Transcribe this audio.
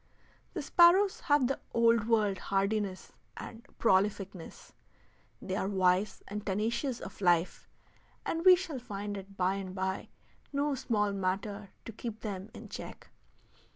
The sparrows have the Old World hardiness and prolificness; they are wise and tenacious of life, and we shall find it by and by no small matter to keep them in check.